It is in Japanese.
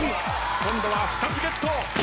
今度は２つゲット。